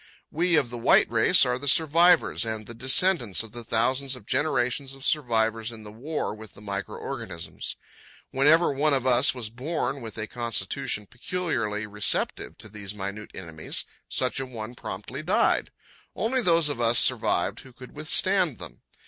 We of the white race are the survivors and the descendants of the thousands of generations of survivors in the war with the micro organisms. Whenever one of us was born with a constitution peculiarly receptive to these minute enemies, such a one promptly died. Only those of us survived who could withstand them.